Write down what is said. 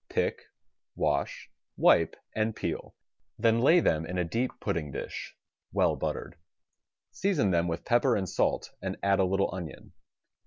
Pick, wash, wipe and peel — then lay them in a deep pudding dish well buttered. Season them with pepper and salt, and add a little onion.